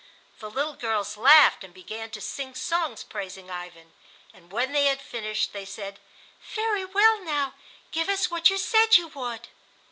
The little girls laughed and began to sing songs praising Ivan, and when they had finished they said: "Very well; now give us what you said you would."